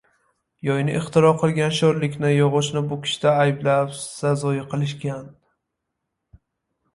Yoyni ixtiro qilgan sho‘rlikni yog‘ochni bukishda ayblab sazoyi qilishgan.